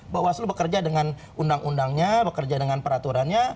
bahwa selalu bekerja dengan undang undangnya bekerja dengan peraturannya